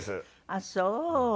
あっそう。